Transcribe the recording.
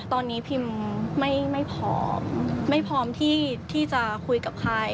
ตอนนี้พิมไม่พร้อมไม่พร้อมที่จะคุยกับใคร